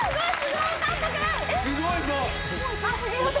すごいぞ！